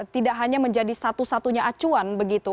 tidak hanya menjadi satu satunya acuan begitu